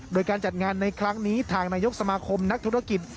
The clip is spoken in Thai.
โดยการจัดงานในครั้งนี้ทางนายกสมาคมนักธุรกิจ